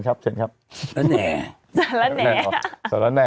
เชิญครับน่านแหน่ะ